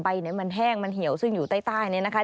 มันแห้งมันเหี่ยวซึ่งอยู่ใต้เนี่ยนะคะ